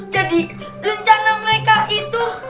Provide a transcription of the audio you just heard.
jadi rencana mereka itu